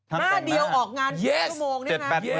หน้าเดียวออกงาน๒ชั่วโมงเนี่ยนะ